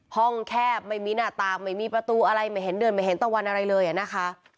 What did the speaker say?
แคบไม่มีหน้าต่างไม่มีประตูอะไรไม่เห็นเดินไม่เห็นตะวันอะไรเลยนะคะ